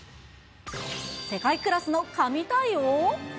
世界クラスの神対応？